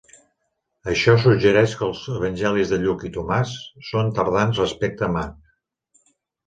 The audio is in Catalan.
Això suggereix que els evangelis de Lluc i Tomàs són tardans respecte a Marc.